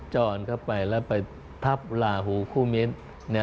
จรเข้าไปแล้วไปทับลาหูคู่มิตร